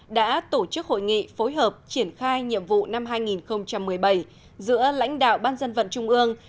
đã tổ chức hội nghị phối hợp triển khai nhiệm vụ năm hai nghìn một mươi bảy giữa lãnh đạo ban dân vận trung ương